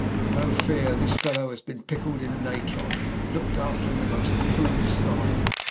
"No fear. This fellow has been pickled in natron, and looked after in the most approved style.